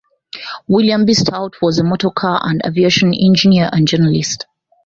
William B. Stout was a motorcar and aviation engineer and journalist.